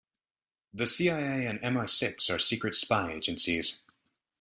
The CIA and MI-Six are secret spy agencies.